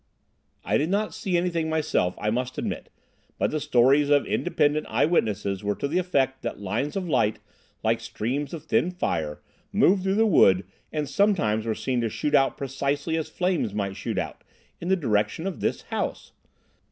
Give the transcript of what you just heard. "I did not see anything myself, I must admit, but the stories of independent eye witnesses were to the effect that lines of light, like streams of thin fire, moved through the wood and sometimes were seen to shoot out precisely as flames might shoot out—in the direction of this house.